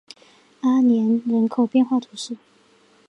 阿年人口变化图示